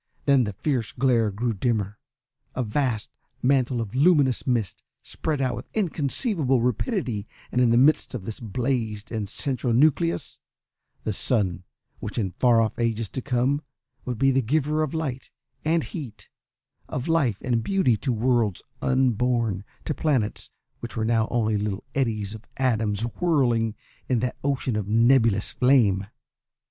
Then the fierce glare grew dimmer. A vast mantle of luminous mist spread out with inconceivable rapidity, and in the midst of this blazed the central nucleus the sun which in far off ages to come would be the giver of light and heat, of life and beauty to worlds unborn, to planets which were now only little eddies of atoms whirling in that ocean of nebulous flame.